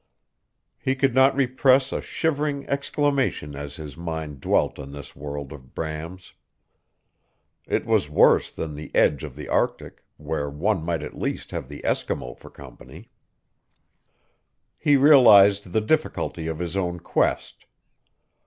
He could not repress a shivering exclamation as his mind dwelt on this world of Bram's. It was worse than the edge of the Arctic, where one might at least have the Eskimo for company. He realized the difficulty of his own quest.